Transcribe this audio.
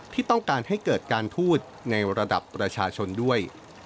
ที่ต้องการให้เกิดการทูตในระดับประชาชนด้วย